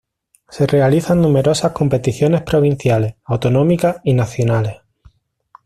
Se realizan numerosas competiciones provinciales, autonómicas y nacionales.